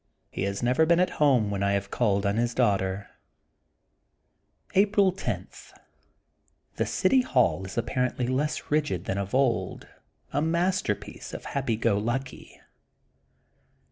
He has never been at home when I have called on his daughter. April 10: — The city hall is apparently less rigid than of old, a masterpiece of the hap py go lucky.